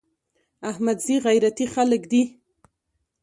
احمدزي غيرتي خلک دي.